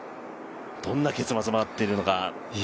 どんな結末が待っているのか。